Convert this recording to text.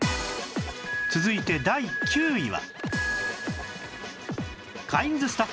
続いて第９位は